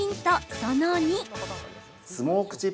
その２。